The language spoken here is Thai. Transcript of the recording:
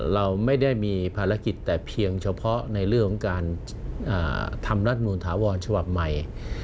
เราไม่ได้มีภารกิจแต่เพียงเฉพาะในเรื่องของการทำรัฐนูลถาวรฉบับใหม่